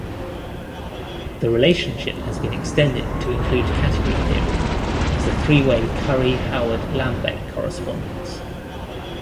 The relationship has been extended to include category theory as the three-way Curry-Howard-Lambek correspondence.